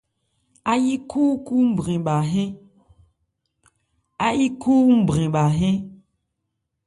Áyí khúúnbrɛn bha hɛ́n.